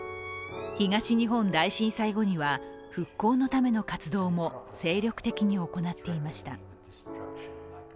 東日本大震災後には、復興のための活動も精力的に行っていました。